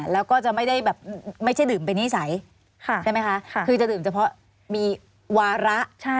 แล้วก็จะไม่ได้แบบไม่ใช่ดื่มเป็นนิสัยใช่ไหมคะ